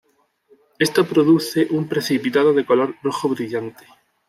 Esto produce un precipitado de color rojo brillante.